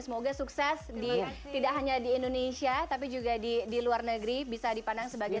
semoga sukses di tidak hanya di indonesia tapi juga di luar negeri bisa dipandang sebagai